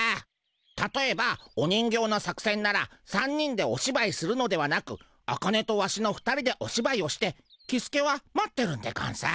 たとえばお人形の作せんなら３人でおしばいするのではなくアカネとワシの２人でおしばいをしてキスケは待ってるんでゴンス。